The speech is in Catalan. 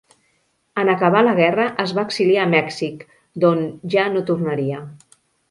En acabar la guerra es va exiliar a Mèxic, d'on ja no tornaria.